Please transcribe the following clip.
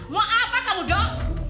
mau apa kamu dong